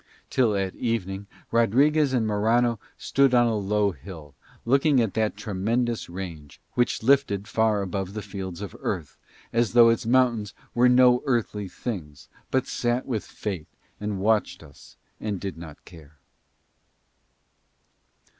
Till at evening Rodriguez and Morano stood on a low hill, looking at that tremendous range, which lifted far above the fields of Earth, as though its mountains were no earthly things but sat with Fate and watched us and did not care.